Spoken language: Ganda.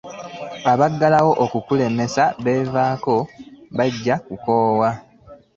Abaagala okukulemesa baveeko bajja kukoowa.